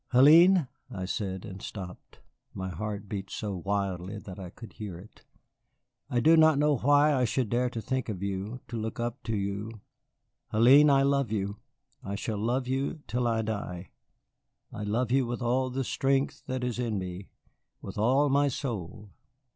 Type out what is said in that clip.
"Hélène!" I said, and stopped. My heart beat so wildly that I could hear it. "I do not know why I should dare to think of you, to look up to you Hélène, I love you, I shall love you till I die. I love you with all the strength that is in me, with all my soul.